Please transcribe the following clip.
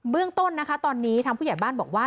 เรื่องต้นนะคะตอนนี้ทางผู้ใหญ่บ้านบอกว่า